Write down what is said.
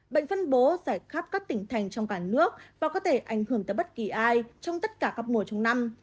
bệnh phân bố giải khắp các tỉnh thành trong cả nước và có thể ảnh hưởng tới bất kỳ ai trong tất cả các mùa trong năm